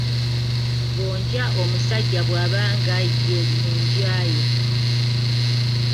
Ggonja omusajja bw'aba nga ye munjaaya.